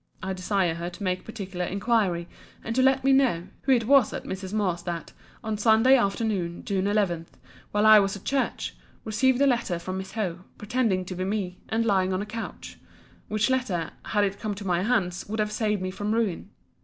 I desire her to make particular inquiry, and to let me know, who it was at Mrs. Moore's that, on Sunday afternoon, June 11, while I was at church, received a letter from Miss Howe, pretending to be me, and lying on a couch:—which letter, had it come to my hands, would have saved me from ruin.